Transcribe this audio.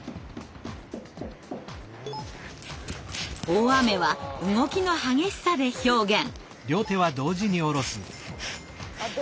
大雨は動きの激しさで表現。